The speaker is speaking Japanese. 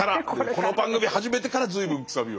この番組始めてから随分楔は。